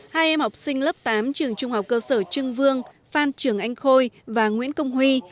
hai em học sinh lớp tám trường trung học cơ sở trưng vương phan trường anh khôi và nguyễn công huy